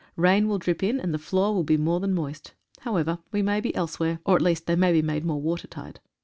Rain will drip in, and the floor will be more than moist. However, we may be elsewhere, or at least they may be made more watertight.